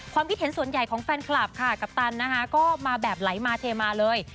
คิดเห็นส่วนใหญ่ของแฟนคลับค่ะกัปตันนะคะก็มาแบบไหลมาเทมาเลย